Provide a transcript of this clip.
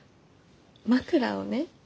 枕をね。